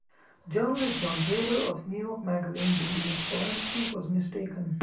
Journalist John Taylor of New York Magazine believes Polanski was mistaken.